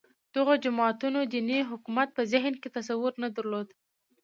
دغو جماعتونو دیني حکومت په ذهن کې تصور نه درلود